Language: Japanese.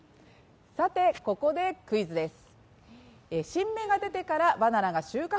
さて、ここでクイズです。